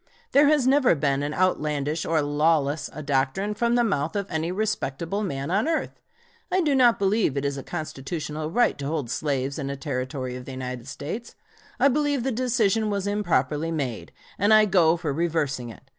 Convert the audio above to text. There has never been as outlandish or lawless a doctrine from the mouth of any respectable man on earth. I do not believe it is a constitutional right to hold slaves in a Territory of the United States. I believe the decision was improperly made, and I go for reversing it.